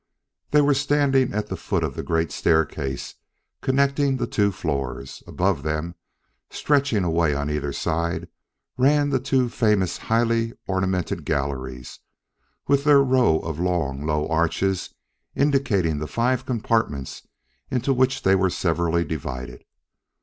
They were standing at the foot of the great staircase connecting the two floors. Above them, stretching away on either side, ran the two famous, highly ornamented galleries, with their row of long, low arches indicating the five compartments into which they were severally divided.